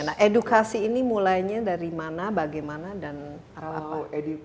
nah edukasi ini mulainya dari mana bagaimana dan edi